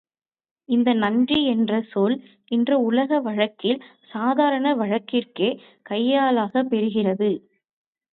இந்த நன்றி என்ற சொல் இன்று உலக வழக்கில் சாதாரண வழக்கிற்கே கையாளப் பெறுகிறது.